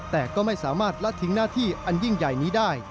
แต่ก็ไม่สามารถละทิ้งหน้าที่อันยิ่งใหญ่นี้ได้